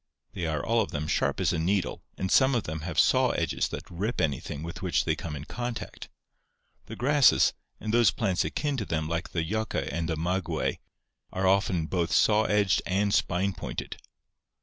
They are all of them sharp as a needle and some of them have saw edges that rip anything with which they come in contact. The grasses, and those plants akin to them like the yucca and the maguey, are often both saw edged and spine pointed.